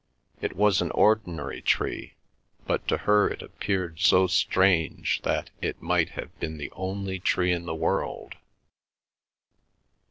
It was an ordinary tree, but to her it appeared so strange that it might have been the only tree in the world.